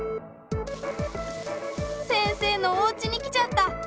先生のおうちに来ちゃった！